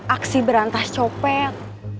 aksi berantas copet